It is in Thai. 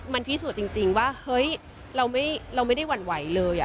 มันพิสูจน์จริงว่าเฮ้ยเราไม่ได้หวั่นไหวเลย